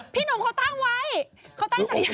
พี่หนุ่มเขาตั้งไว้